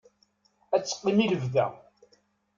Ad teqqim i lebda.